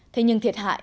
thế nhưng thiệt hại